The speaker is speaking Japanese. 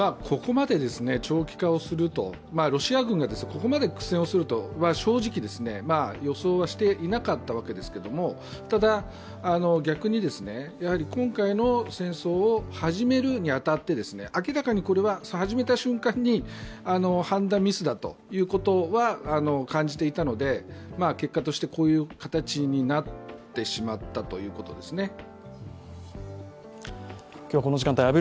ここまで長期化をすると、ロシア軍がここまで苦戦するとは正直予想はしていなかったわけですがただ、逆に今回の戦争を始めるに当たってあきらかにこれは始めた瞬間に判断ミスだということは感じていたので結果として、こういう形になってしまったということですね。